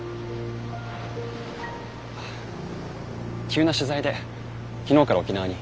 急な取材で昨日から沖縄に。